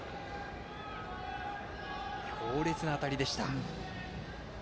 強烈な当たりでした。